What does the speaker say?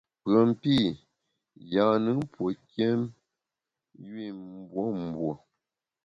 Pùen pî, yâ-nùn pue nkiém yu i mbuembue.